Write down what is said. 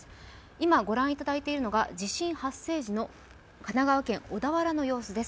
今ご覧いただいているのが地震発生時の神奈川県小田原の様子です。